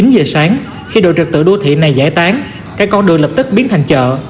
chín giờ sáng khi đội trực tự đô thị này giải tán các con đường lập tức biến thành chợ